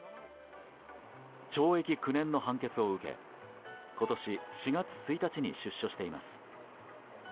懲役９年の判決を受け今年４月１日に出所しています。